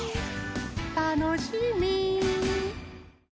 たのしみ。